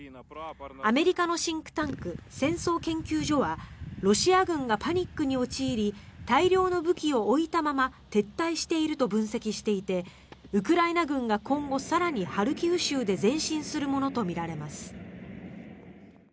アメリカのシンクタンク戦争研究所はロシア軍がパニックに陥り大量の武器を置いたまま撤退していると分析していてウクライナ軍が今後、更にハルキウ州で前進するものとみられます。